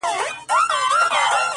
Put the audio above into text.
،د خدای د پاره کابل مه ورانوی،